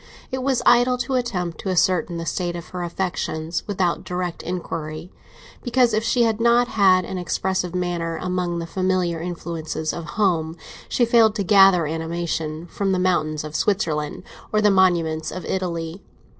It was idle to attempt to ascertain the state of her affections without direct inquiry, because, if she had not had an expressive manner among the familiar influences of home, she failed to gather animation from the mountains of Switzerland or the monuments of Italy.